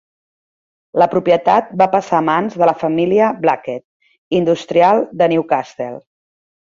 La propietat va passar a mans de la família Blackett, industrials de Newcastle.